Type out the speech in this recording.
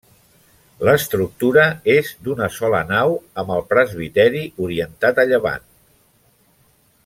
L'estructura és d'una sola nau, amb el presbiteri orientat a llevant.